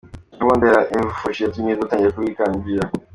Gahunda ya HeforShe yatumye batangira kubikangukira.